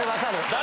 誰？